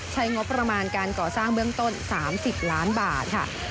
ใช้งบประมาณการก่อสร้างเบื้องต้น๓๐ล้านบาทค่ะ